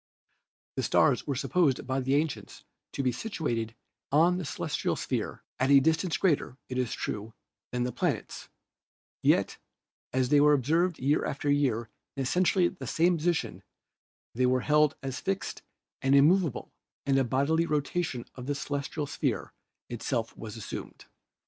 The stars were supposed by the ancients to be situated on the celestial sphere at a distance greater, it is true, than the planets; yet as they were observed year after year in essentially the same positions they were held as fixed and immovable and a bodily rotation of the celestial sphere itself was assumed.